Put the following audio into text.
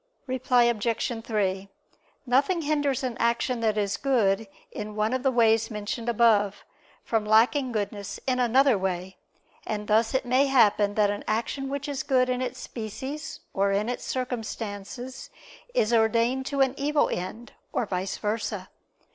Reply Obj. 3: Nothing hinders an action that is good in one of the ways mentioned above, from lacking goodness in another way. And thus it may happen that an action which is good in its species or in its circumstances is ordained to an evil end, or vice versa.